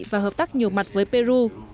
và hợp tác nhiều mặt với peru